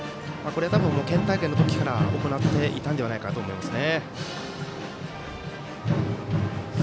これは、多分、県大会の時から行っていたんじゃないかと思いますね。